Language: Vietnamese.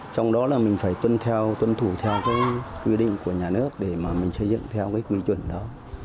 trong đó là mình phải tuân thủ theo quy định của nhà nước để mà mình xây dựng theo quy chuẩn đó